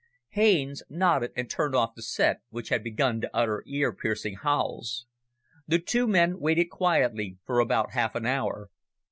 Haines nodded and turned off the set which had begun to utter ear piercing howls. The two men waited quietly for about half an hour.